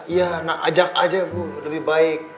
iya nak ajak aja bu lebih baik